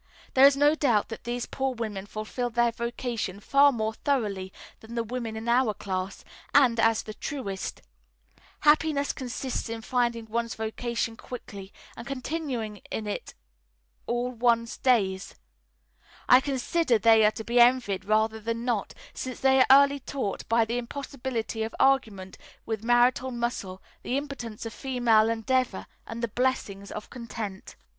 There is no doubt that these poor women fulfil their vocation far more thoroughly than the women in our class, and, as the truest: happiness consists in finding one's vocation quickly and continuing in it all one's days, I consider they are to be envied rather than not, since they are early taught, by the impossibility of argument with marital muscle, the impotence of female endeavour and the blessings of content."